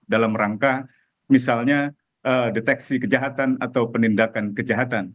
dalam rangka misalnya deteksi kejahatan atau penindakan kejahatan